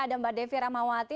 ada mbak devi ramawati